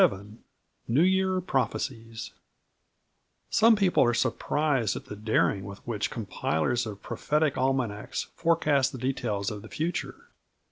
VII NEW YEAR PROPHECIES Some people are surprised at the daring with which compilers of prophetic almanacs forecast the details of the future.